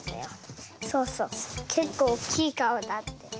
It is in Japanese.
そうそうけっこうおっきいかお。